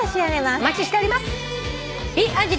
お待ちしております。